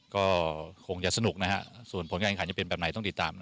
ก็คงจะสนุกนะฮะส่วนผลการขันจะเป็นแบบไหนต้องติดตามนะ